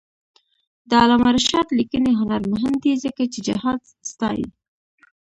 د علامه رشاد لیکنی هنر مهم دی ځکه چې جهاد ستايي.